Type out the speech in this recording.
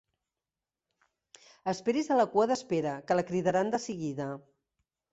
Esperi's a la cua d'espera, que la cridaran de seguida.